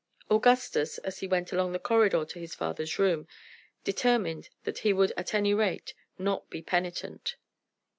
Augustus, as he went along the corridor to his father's room, determined that he would at any rate not be penitent.